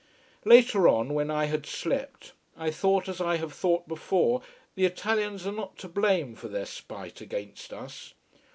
Later on, when I had slept, I thought as I have thought before, the Italians are not to blame for their spite against us.